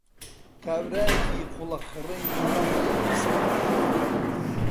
کابرایەکی قوڵەخڕەی میوان، لێی پرسیم: